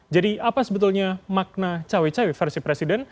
jadi apa sebetulnya makna cawe cawe versi presiden